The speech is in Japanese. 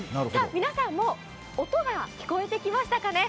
皆さんもう音が聞こえてきましたかね。